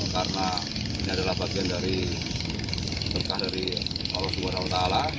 karena ini adalah bagian dari berkah dari allah swt